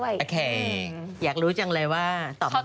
โอเคอยากรู้จังเลยว่าตอบ